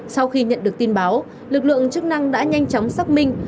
sau khi nhận được tin báo lực lượng chức năng đã nhanh chóng xác minh